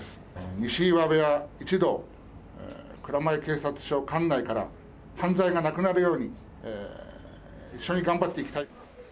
西岩部屋一同、蔵前警察署管内から、犯罪がなくなるように、一緒に頑張っていきたい。